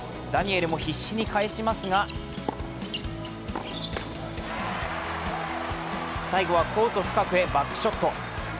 ダニエルも必死に返しますが最後はコート深くへバックショット。